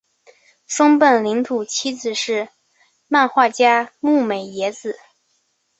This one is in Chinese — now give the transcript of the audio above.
松本零士妻子是漫画家牧美也子。